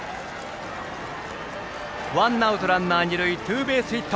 ワンアウトランナー、二塁ツーベースヒット。